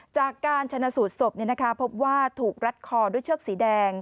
จากการชนะสูตรศพพบว่าถูกรัดคอด้วยเชือกสีแดง